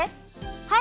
はい。